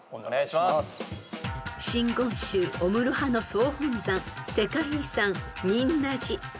［真言宗御室派の総本山世界遺産仁和寺］